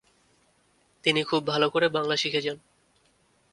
তিনি খুব ভালো করে বাংলা শিখে যান।